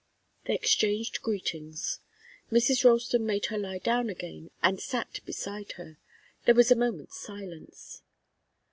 They exchanged greetings. Mrs. Ralston made her lie down again and sat beside her. There was a moment's silence.